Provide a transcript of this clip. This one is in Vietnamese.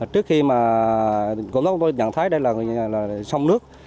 trước khi mà tổ công tốt chúng tôi nhận thấy đây là sông nước